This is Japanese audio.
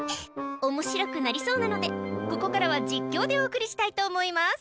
おもしろくなりそうなのでここからは実況でお送りしたいと思います。